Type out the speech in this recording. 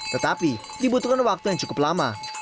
tetapi dibutuhkan waktu yang cukup lama